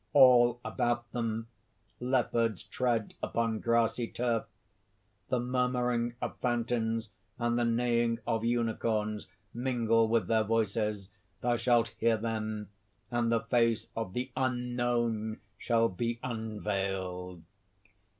All about them, leopards tread upon grassy turf. The murmuring of fountains and the neighing of unicorns mingle with their voices. Thou shalt hear them; and the face of the Unknown shall be unveiled!"